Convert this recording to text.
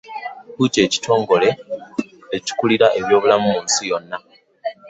WHO ky'ekitongole ekikulira eby'obulamu mu nsi yonna.